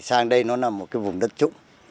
sang đây nó là một cái vùng đất trụng